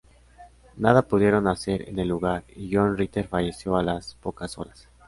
Nada pudieron hacer en el lugar y John Ritter falleció a las pocas horas.